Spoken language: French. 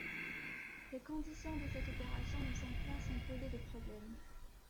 Les conditions de cette opération ne sont pas sans poser de problème.